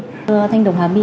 thưa thanh đồng hà my